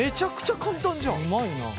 うまいな。